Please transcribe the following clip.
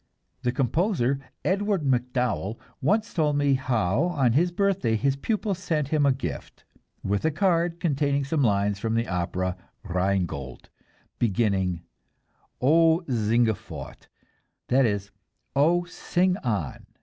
The composer, Edward MacDowell, once told me how on his birthday his pupils sent him a gift, with a card containing some lines from the opera "Rheingold," beginning, "O singe fort" that is, "Oh, sing on."